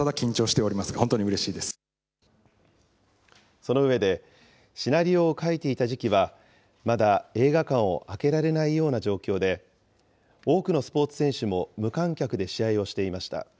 その上で、シナリオを書いていた時期は、まだ映画館を開けられないような状況で、多くのスポーツ選手も無観客で試合をしていました。